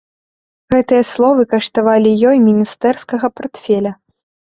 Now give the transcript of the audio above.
Гэтыя словы каштавалі ёй міністэрскага партфеля.